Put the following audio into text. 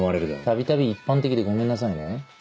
たびたび一般的でごめんなさいね。